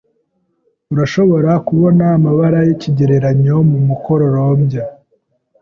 Urashobora kubona amabara yikigereranyo mu mukororombya.